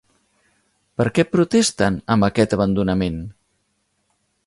Per què protesten amb aquest abandonament?